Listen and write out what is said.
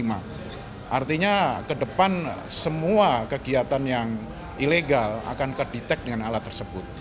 artinya ke depan semua kegiatan yang ilegal akan kedetek dengan alat tersebut